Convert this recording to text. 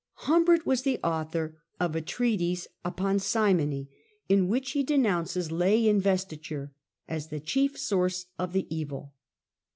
Humbert was Treatise of the author of a treatise upon simony, in which simony he denounccs lay investiture as the chief source of the evil.